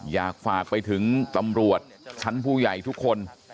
อยากฝากไปถึงตำรวจชั้นผู้ใหญ่ทุกคน